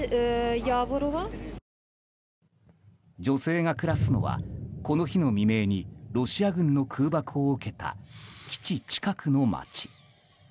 女性が暮らすのはこの日の未明にロシア軍の空爆を受けた基地近くの街。